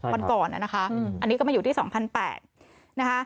วันก่อนน่ะนะคะอืมอันนี้ก็มาอยู่ที่สองพันแปนนะคะ